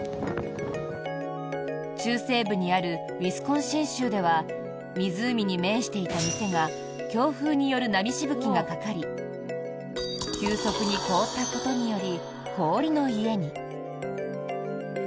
中西部にあるウィスコンシン州では湖に面していた店が強風による波しぶきがかかり急速に凍ったことにより氷の家に。